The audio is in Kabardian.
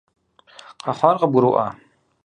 Къэхъуар къыбгурыӀуа?